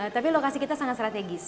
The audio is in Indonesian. tapi lokasi kita sangat strategis